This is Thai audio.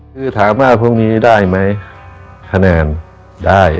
คือถามว่าพรุ่งนี้ได้ไหมคะแนนได้